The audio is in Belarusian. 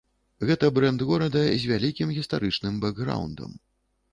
Гэта брэнд горада з вялікім гістарычным бэкграўндам.